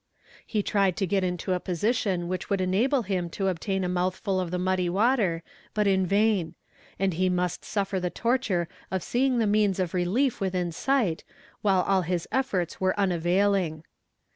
He tried to get into a position which would enable him to obtain a mouthful of the muddy water, but in vain; and he must suffer the torture of seeing the means of relief within sight, while all his efforts were unavailing.